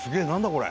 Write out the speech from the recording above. これ。